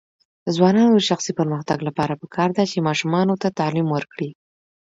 د ځوانانو د شخصي پرمختګ لپاره پکار ده چې ماشومانو تعلیم ورکړي.